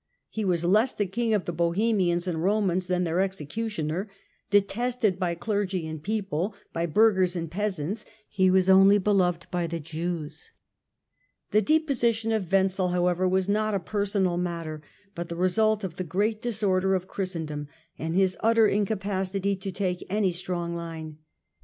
He was less the King of the Bohemians and Komans than their executioner ; detested by clergy and people, by burghers and peasants, he was only beloved by the Jews." The deposition of Wenzel, however, was not a personal matter, but the result of the great disorder of Christendom, and his utter incapacity to take any strong line.